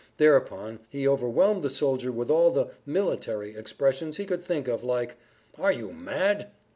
Thereupon he overwhelmed the soldier with all the "military" expressions he could think of, like, "Are you mad?"